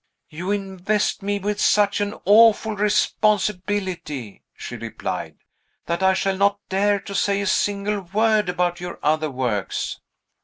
"You invest me with such an awful responsibility," she replied, "that I shall not dare to say a single word about your other works."